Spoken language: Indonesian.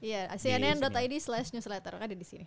iya cnn id slash newsletter ada di sini